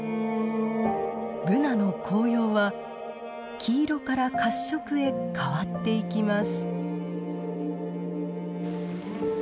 ブナの黄葉は黄色から褐色へ変わっていきます。